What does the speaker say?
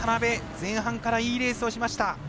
前半からいいレースをしました。